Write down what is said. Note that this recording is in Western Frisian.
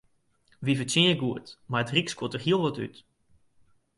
Wy fertsjinje goed, mar it ryk skuort der hiel wat út.